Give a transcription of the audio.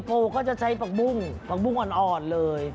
โอดยลูกปรุงก็จะใช้ปากบุ้งปากบุ้งอ่อนเลย